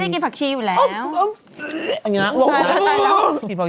ไปอ่ากินผักชีเขาอ้วกเลย